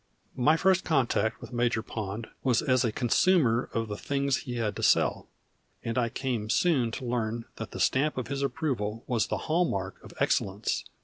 My first contact with Major Pond was as a consumer of the things he had to sell, and I came soon to learn that the stamp of his approval was the hallmark of excellence.